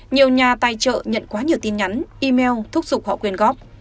nhiều nhà tài trợ nhận quá nhiều tin nhắn email thúc giục họ quyên góp